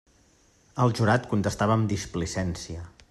El jurat contestava amb displicència.